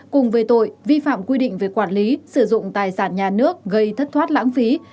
cùng về tội vi phạm quy định về quản lý sử dụng tài sản nhà nước gây thất thoát lãng phí